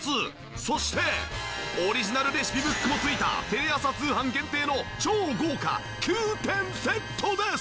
そしてオリジナルレシピブックも付いたテレ朝通販限定の超豪華９点セットです！